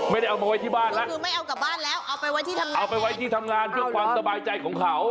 ไม่ได้เอามาไว้ที่บ้านแล้วเอาไปไว้ที่ทำงานเพื่อความสบายใจของเขา